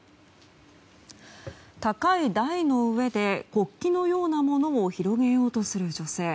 高い台の上で国旗のようなものを広げようとする女性。